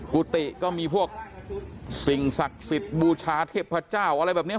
กุฏิก็มีพวกสิ่งศักดิ์สิทธิ์บูชาเทพเจ้าอะไรแบบนี้